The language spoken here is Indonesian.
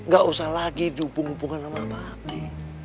gak usah lagi dukung dukungan sama papi